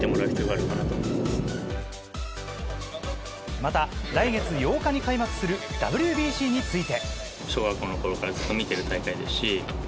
また、来月８日に開幕するＷＢＣについて。